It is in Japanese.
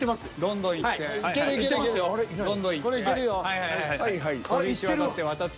どんどん渡って。